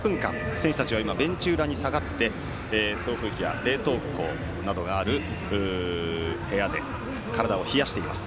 選手たちは、ベンチ裏に下がって送風機や冷凍庫などがある部屋で体を冷やしています。